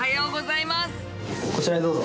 こちらへどうぞ。